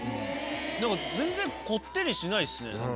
なんか全然こってりしてないですね。